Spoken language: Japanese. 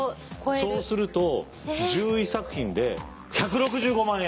そうすると１１作品で１６５万円！